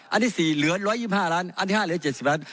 อันที่สี่เหลือร้อยยี่สิบห้าร้านอันที่ห้าเหลือเจ็ดสิบล้าน